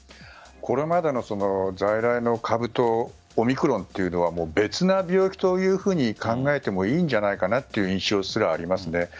これまでの在来の株とオミクロンというのは別な病気というふうに考えてもいいんじゃないかという印象すらありますね。